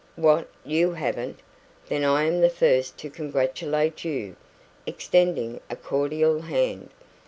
What you haven't? Then I am the first to congratulate you," extending a cordial hand.